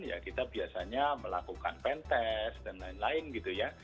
ya kita biasanya melakukan pentes dan lain lain gitu ya